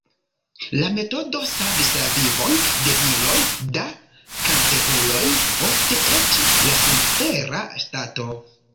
La metodo savis la vivon de miloj da kanceruloj, ofte eĉ el senespera stato.